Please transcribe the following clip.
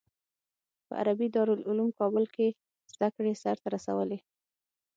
په عربي دارالعلوم کابل کې زده کړې سر ته رسولي.